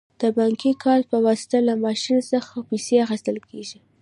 د بانکي کارت په واسطه له ماشین څخه پیسې اخیستل کیږي.